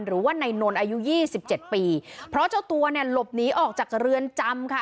หรือว่านายนนท์อายุยี่สิบเจ็ดปีเพราะเจ้าตัวเนี่ยหลบหนีออกจากเรือนจำค่ะ